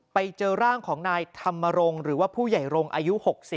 ไปเจอร่างของนายธรรมรงค์หรือว่าผู้ใหญ่รงค์อายุ๖๐